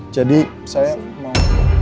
jadi saya mau